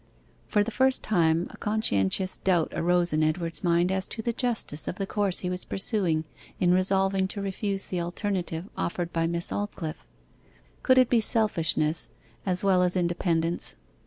For the first time a conscientious doubt arose in Edward's mind as to the justice of the course he was pursuing in resolving to refuse the alternative offered by Miss Aldclyffe. Could it be selfishness as well as independence?